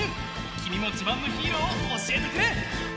きみもじまんのヒーローをおしえてくれ！